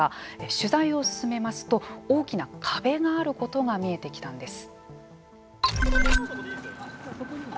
取材を進めますと大きな壁があることが見えてきたんです。